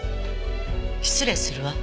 失礼するわ。